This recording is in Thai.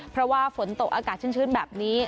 เพราะว่าฝนตกอากาศชื้นแบบนี้